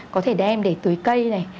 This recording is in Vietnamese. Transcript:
có thể đem để tưới cây này